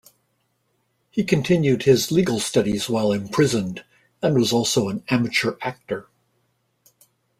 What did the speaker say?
He continued his legal studies while imprisoned, and was also an amateur actor.